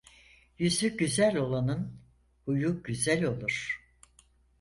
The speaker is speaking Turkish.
Yüzü güzel olanın huyu güzel olur.